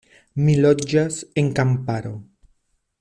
Mi loĝas en kamparo.